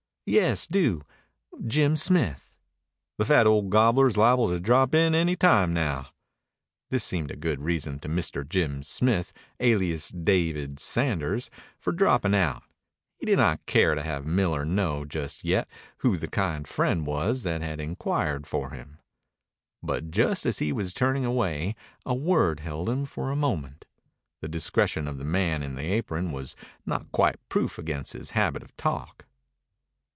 "Yes, do. Jim Smith." "The fat old gobbler's liable to drop in any time now." This seemed a good reason to Mr. Jim Smith, alias David Sanders, for dropping out. He did not care to have Miller know just yet who the kind friend was that had inquired for him. But just as he was turning away a word held him for a moment. The discretion of the man in the apron was not quite proof against his habit of talk.